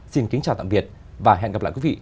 xin kính chào tạm biệt và hẹn gặp lại quý vị